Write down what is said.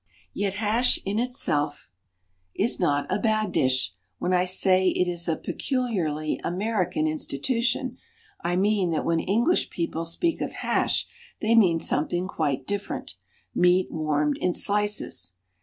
Yet hash in itself is not a bad dish; when I say it is a peculiarly American institution, I mean, that when English people speak of hash, they mean something quite different meat warmed in slices.